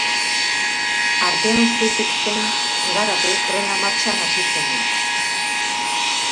Artean zutik zen Garate trena martxan hasi zenean.